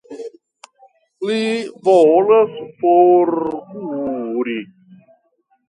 Li volas forkuri.